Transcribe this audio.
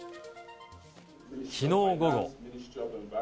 きのう午後。